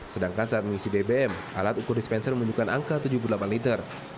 sedangkan saat mengisi bbm alat ukur dispenser menunjukkan angka tujuh puluh delapan liter